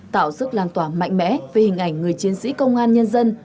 tạo sức lan tỏa mạnh mẽ về hình ảnh người chiến sĩ công an nhân dân